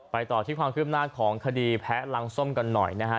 ต่อที่ความคืบหน้าของคดีแพ้รังส้มกันหน่อยนะฮะ